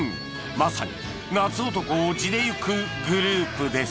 まさに夏男を地で行くグループです